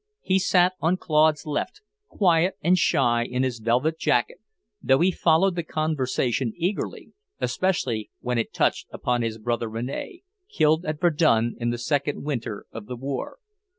He sat on Claude's left, quiet and shy in his velvet jacket, though he followed the conversation eagerly, especially when it touched upon his brother Rene, killed at Verdun in the second winter of the war.